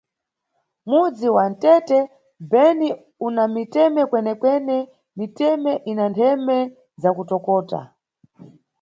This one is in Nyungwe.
Mudzi wa Nthete Beni una miteme kwenekwene, miteme ina ntheme zakutokota.